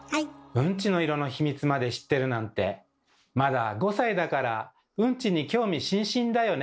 うんちの色の秘密まで知ってるなんてまだ５歳だからうんちに興味津々だよね。